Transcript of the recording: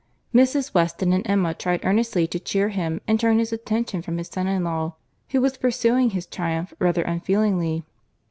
Mrs. Weston and Emma tried earnestly to cheer him and turn his attention from his son in law, who was pursuing his triumph rather unfeelingly.